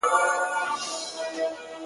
ښايي دا زلمي له دې جگړې څه بـرى را نه وړي